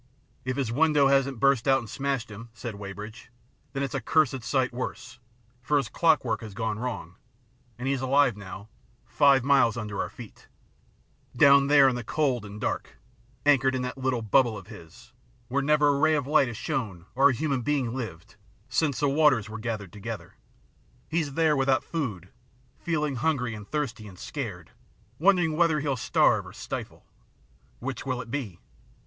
" If his window hasn't burst and smashed him," said Weybridge, " then it's a cursed sight worse, for his clockwork has gone wrong, and he's alive now, five miles under our feet, down there in the cold and dark, anchored in that little bubble of his, where never a ray of light has shone or a human being lived, since the waters were gathered together. He's there without food, feeling hungry and thirsty and scared, wondering whether he'll starve or stifle. Which will it be?